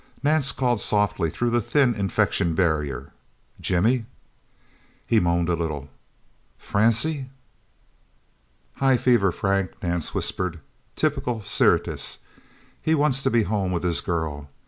Nance called softly through the thin infection barrier. "Jimmy!" He moaned a little. "Francy..." "High fever, Frank," Nance whispered. "Typical Syrtis. He wants to be home with his girl.